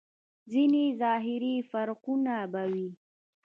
ځينې ظاهري فرقونه به وي.